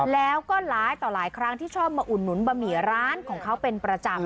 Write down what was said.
แล้วก็หลายต่อหลายครั้งที่ชอบมาอุดหนุนบะหมี่ร้านของเขาเป็นประจำ